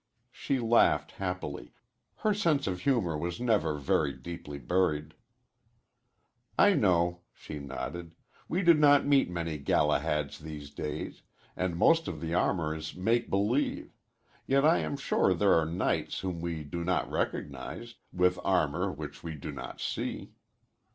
She laughed happily her sense of humor was never very deeply buried. "I know," she nodded, "we do not meet many Galahads these days, and most of the armor is make believe, yet I am sure there are knights whom we do not recognize, with armor which we do not see."